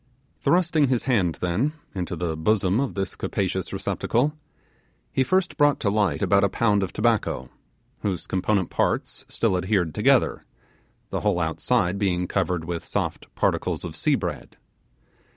Thrusting his hand, then, into the bosom of this capacious receptacle, he first brought to light about a pound of tobacco, whose component parts still adhered together, the whole outside being covered with soft particles of sea bread.